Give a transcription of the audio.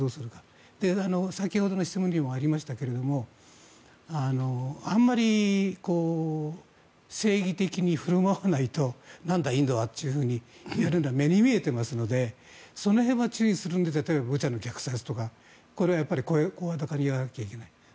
先ほどの質問でもありましたがあまり正義的に振る舞わないと何だ、インドはと言われるのは目に見えていますのでその辺は注意するので例えば、ブチャの虐殺とかこれは声高に言わなきゃいけない。